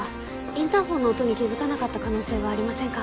インターホンの音に気づかなかった可能性はありませんか？